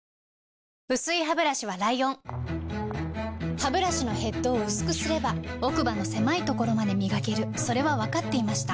薄いハブラシはライオンハブラシのヘッドを薄くすれば奥歯の狭いところまで磨けるそれは分かっていました